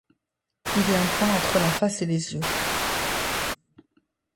Il y a un point entre la face et les yeux.